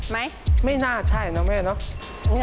ไม่น่าใช่นะแม่เนาะ